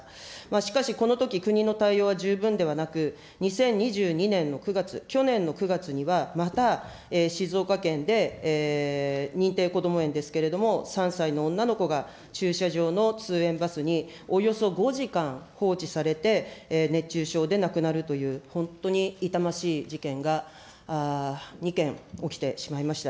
しかし、このとき、国の対応は十分ではなく、２０２２年の９月、去年の９月には、また静岡県で、認定こども園ですけれども、３歳の女の子が駐車場に通園バスに、およそ５時間放置されて、熱中症で亡くなるという、本当に痛ましい事件が２件起きてしまいました。